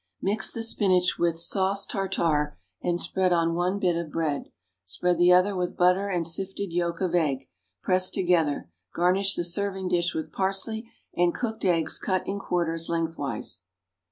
Mix the spinach with sauce tartare and spread on one bit of bread, spread the other with butter and sifted yolk of egg; press together. Garnish the serving dish with parsley and cooked eggs cut in quarters lengthwise.